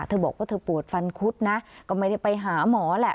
เธอบอกว่าเธอปวดฟันคุดนะก็ไม่ได้ไปหาหมอแหละ